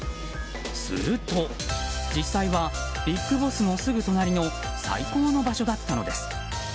すると、実際はＢＩＧＢＯＳＳのすぐ隣の最高の場所だったのです。